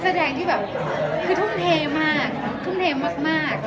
แสดงที่แบบคือทุ่มเทมากทุ่มเทมาก